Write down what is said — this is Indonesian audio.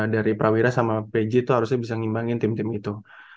dari prawira sama pj itu harusnya bisa ngimbangin tim tim itu